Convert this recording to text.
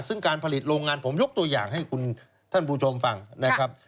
ซึ่งการผลิตโรงงานผมยกตัวอย่างให้ท่านผู้ชมฟังนะครับ